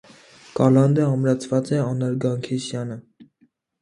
Կալանդը ամրացված է անարգանքի սյանը։